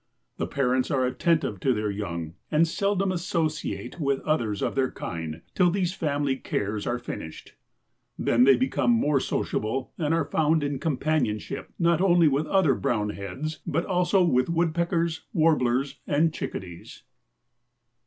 The parents are attentive to their young and seldom associate with others of their kind till these family cares are finished. Then they become more sociable and are found in companionship not only with other Brown heads but also with woodpeckers, warblers and chickadees.